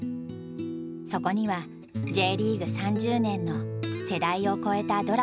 そこにはＪリーグ３０年の世代を超えたドラマがある。